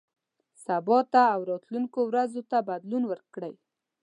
سبا ته او راتلونکو ورځو ته بدلون ورکړئ.